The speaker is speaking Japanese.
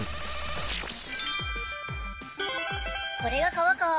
これが川か！